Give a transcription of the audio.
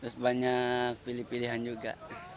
terus banyak pilihan juga